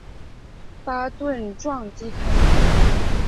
巴顿撞击坑